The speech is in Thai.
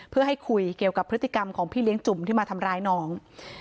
เพื่อให้คุยเกี่ยวกับพฤติกรรมของพี่เลี้ยงจุ่มที่มาทำร้ายน้อง